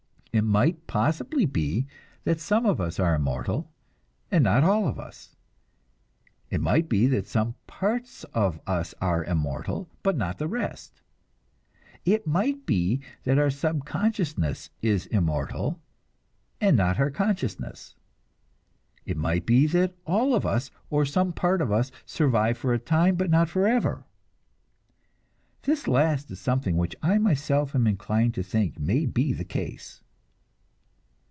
It might possibly be that some of us are immortal and not all of us. It might be that some parts of us are immortal and not the rest. It might be that our subconsciousness is immortal and not our consciousness. It might be that all of us, or some part of us, survive for a time, but not forever. This last is something which I myself am inclined to think may be the case.